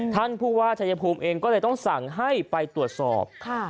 ท่านผู้ว่าชายภูมิเองก็เลยต้องสั่งให้ไปตรวจสอบ